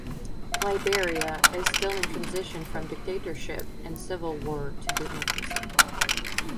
Liberia is still in transition from dictatorship and civil war to democracy.